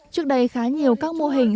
trước đây khá nhiều các mô hình